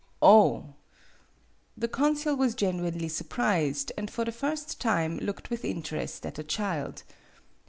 "Oh!" The consul was genuinely sur prised, and for the first time looked with interest at the child.